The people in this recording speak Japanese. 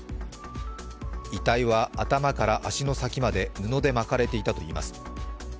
遺体は頭から足先まで布でまかれていたといいます。